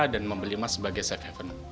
dan membeli emas sebagai safe haven